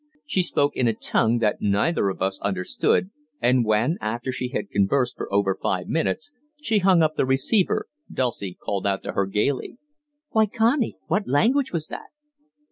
She spoke in a tongue that neither of us understood, and when, after she had conversed for over five minutes, she hung up the receiver, Dulcie called out to her gaily: "Why, Connie, what language was that?"